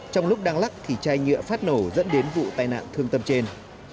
trong lúc đang lắc thì chai nhựa phát nổ dẫn đến vụ tai nạn thương tâm trên